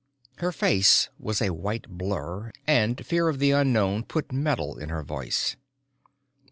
Her face was a white blur and fear of the unknown put metal in her voice.